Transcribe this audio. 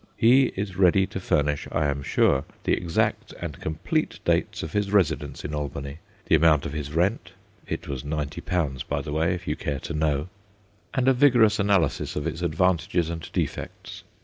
He is ready to furnish, I am sure, the exact and complete dates of his residence in Albany, the amount of his rent it was 90, MACAULAY 87 by the way, if you care to know and a vigorous analysis of its advantages and defects.